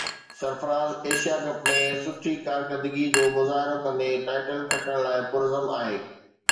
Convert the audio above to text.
Sarfaraz Asia Cup ۾ سٺي ڪارڪردگي جو مظاهرو ڪندي ٽائيٽل کٽڻ لاءِ پرعزم آهي